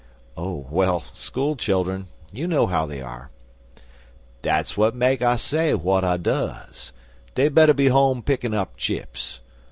"Oh, well, school children you know how they are. "Dat's w'at make I say w'at I duz. Dey better be home pickin' up chips.